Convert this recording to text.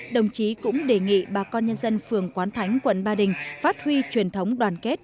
đồng chí cũng đề nghị bà con nhân dân phường quán thánh quận ba đình phát huy truyền thống đoàn kết